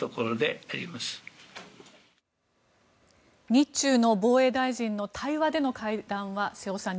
日中の防衛大臣の対面での会談は瀬尾さん